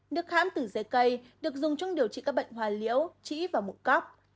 nước kháng từ dây cây được dùng trong điều trị các bệnh hoa liễu trĩ và mụn cóc